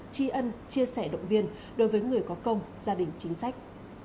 chi ân chia sẻ động viên đối với người có công gia đình chính sách